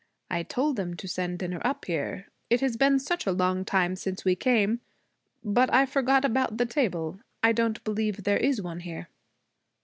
'I told them to send dinner up here. It has been such a long time since we came. But I forgot about the table. I don't believe there is one here.'